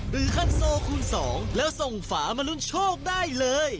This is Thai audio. คันโซคูณ๒แล้วส่งฝามาลุ้นโชคได้เลย